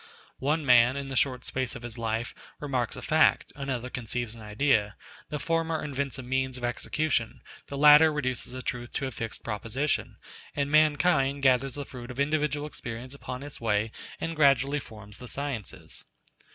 One man, in the short space of his life remarks a fact; another conceives an idea; the former invents a means of execution, the latter reduces a truth to a fixed proposition; and mankind gathers the fruits of individual experience upon its way and gradually forms the sciences.